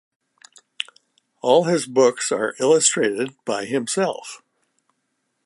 All his books are illustrated by himself.